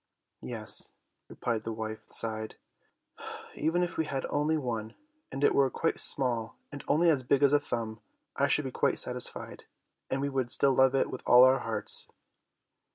"Yes," replied the wife, and sighed, "even if we had only one, and it were quite small, and only as big as a thumb, I should be quite satisfied, and we would still love it with all our hearts."